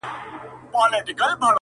پاس د وني په ښاخونو کي یو مار وو!!